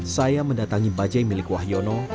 saya mendatangi bajai milik wahyono